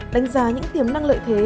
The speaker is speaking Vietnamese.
đánh giá những tiềm năng lợi thế